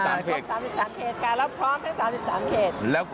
สร้าง๓๓เขตครับแล้วพร้อมให้๓๓เขต